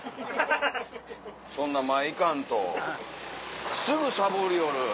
そんな前行かんとすぐサボりよる！